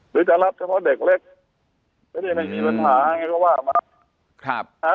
หรือจะรับเฉพาะเด็กเล็กไม่มีปัญหา